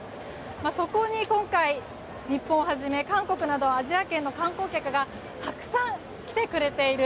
そこに今回、日本をはじめ韓国などアジア圏の観光客がたくさん来てくれている。